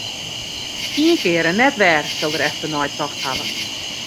Ien kear en net wer sil er efternei tocht hawwe.